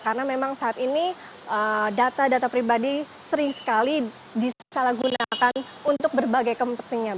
karena memang saat ini data data pribadi sering sekali disalahgunakan untuk berbagai kepentingan